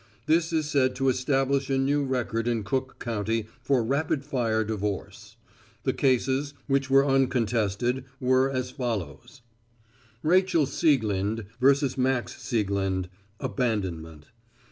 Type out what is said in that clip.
This is said to establish a new record in Cook county for rapid fire divorce. The cases, which were uncontested, were as follows: Rachel Sieglinde vs. Max Sieglinde; abandonment.